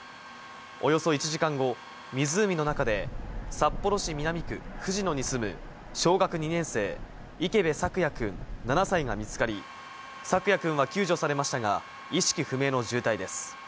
およそ１時間後、湖の中で、札幌市南区藤野に住む小学２年生、池辺朔矢君７歳が見つかり、朔矢君は救助されましたが、意識不明の重体です。